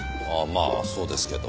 まあそうですけど。